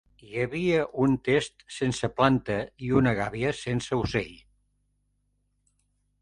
Hi havia un test sense planta i una gàbia sense ocell